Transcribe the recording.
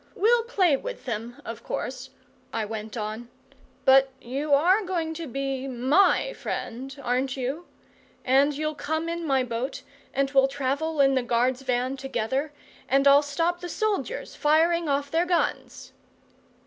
"We'll play with them, of course," I went on. "But you are going to be MY friend, aren't you? And you'll come in my boat, and we'll travel in the guard's van together, and I'll stop the soldiers firing off their guns!"